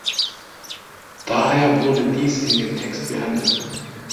Daher wurde dies in dem Text behandelt.